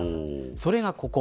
それがここ。